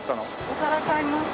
お皿買いました。